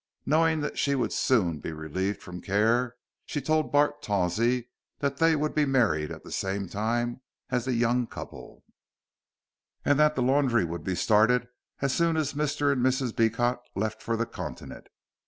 Knowing that she would soon be relieved from care, she told Bart Tawsey that they would be married at the same time as the young couple, and that the laundry would be started as soon as Mr. and Mrs. Beecot left for the Continent.